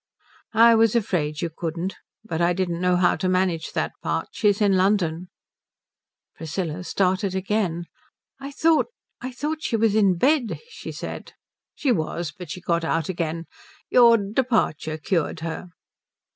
"I was afraid you couldn't. But I didn't know how to manage that part. She's in London." Priscilla started again. "I thought I thought she was in bed," she said. "She was, but she got out again. Your departure cured her."